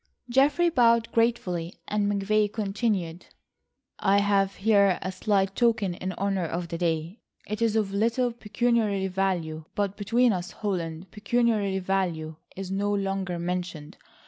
Geoffrey bowed gratefully, and McVay continued: "I have here a slight token in honour of the day. It is of little pecuniary value, but between us, Holland, pecuniary value is no longer mentioned.